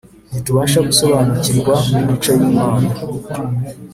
Ntitubasha gusobanukirwa n’imico y’Imana